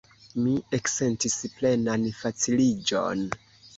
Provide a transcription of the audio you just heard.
Mi eksentis plenan faciliĝon.